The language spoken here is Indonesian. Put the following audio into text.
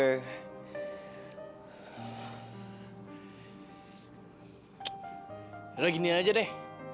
ya udah gini aja deh